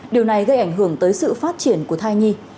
điều này gây ảnh hưởng tới sự phát triển của thai nhi